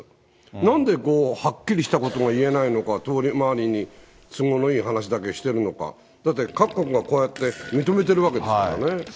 なんでこう、はっきりしたことが言えないのか、遠回りに都合のいい話だけしてるのか、だって、各国がこうやって認めているわけですからね。